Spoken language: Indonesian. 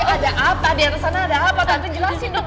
ada apa di atas sana ada apa tante jelasin dong